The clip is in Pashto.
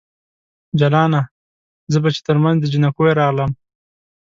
جلانه ! زه به چې ترمنځ د جنکیو راغلم